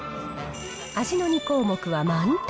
味の２項目は満点。